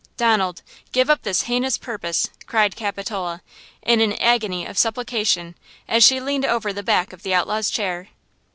"Donald, give up this heinous purpose!" cried Capitola, in an agony of supplication, as she leaned over the back of the outlaw's chair.